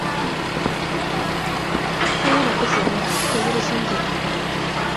她有两个姐妹和一个兄弟。